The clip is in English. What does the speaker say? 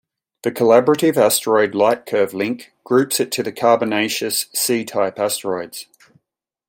The "Collaborative Asteroid Lightcurve Link" groups it to the carbonaceous C-type asteroids.